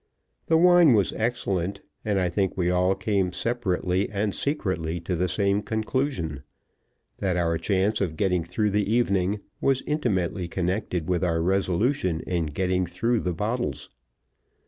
The wine was excellent, and I think we all came separately and secretly to the same conclusion that our chance of getting through the evening was intimately connected with our resolution in getting through the bottles.